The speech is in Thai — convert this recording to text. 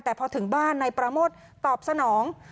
แต่พอถึงบ้านนายปราโมทตอบสนอง